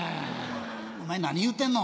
お前何言うてんの？